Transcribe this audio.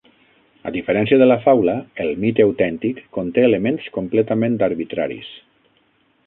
A diferència de la faula, el mite autèntic conté elements completament arbitraris.